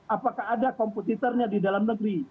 apakah ada kompetitornya di dalam negeri